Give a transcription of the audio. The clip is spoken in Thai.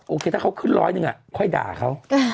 ถ้าเขาขึ้นร้อยหนึ่งค่อยด่าเขา